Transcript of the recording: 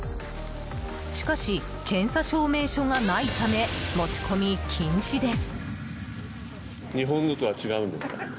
しかし、検査証明書がないため持ち込み禁止です。